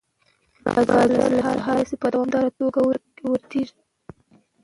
باران له سهار راهیسې په دوامداره توګه ورېږي.